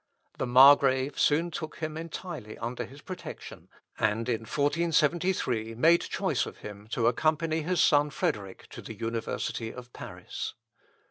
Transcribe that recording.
The Margrave soon took him entirely under his protection, and in 1473 made choice of him to accompany his son Frederick to the University of Paris.